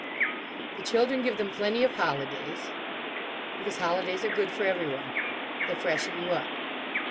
"The children give them plenty of holidays. Because holidays are good for everyone. They freshen you up.